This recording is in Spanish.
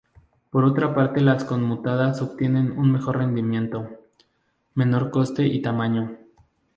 Por otra parte las conmutadas obtienen un mejor rendimiento, menor coste y tamaño.